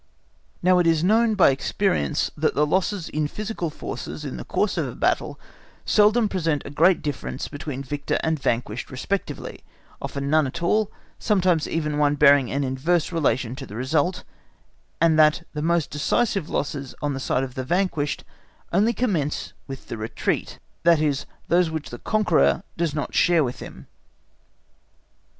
Now it is known by experience, that the losses in physical forces in the course of a battle seldom present a great difference between victor and vanquished respectively, often none at all, sometimes even one bearing an inverse relation to the result, and that the most decisive losses on the side of the vanquished only commence with the retreat, that is, those which the conqueror does not share with him.